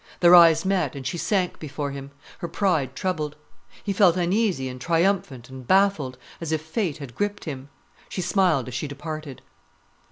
Their eyes met, and she sank before him, her pride troubled. He felt uneasy and triumphant and baffled, as if fate had gripped him. She smiled as she departed.